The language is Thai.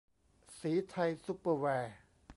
ศรีไทยซุปเปอร์แวร์